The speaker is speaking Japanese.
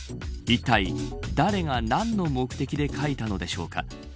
いったい誰が何の目的で書いたのでしょうか。